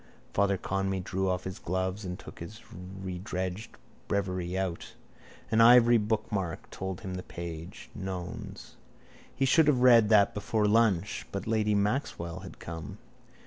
Father Conmee drew off his gloves and took his rededged breviary out. An ivory bookmark told him the page. Nones. He should have read that before lunch. But lady Maxwell had come.